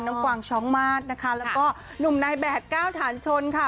กวางช้องมาสนะคะแล้วก็หนุ่มนายแดดเก้าฐานชนค่ะ